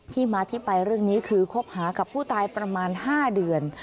ที่มาที่ไปเรื่องนี้คือคบหากับผู้ตายประมาณ๕เดือน